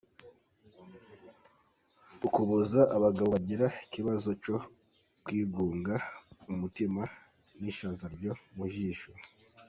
Ukuboza: Abagabo bagira ikibazo cyo kwigunga, umutima n’ishaza ryo mu jisho.